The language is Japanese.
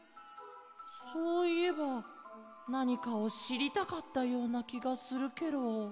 そういえばなにかをしりたかったようなきがするケロ。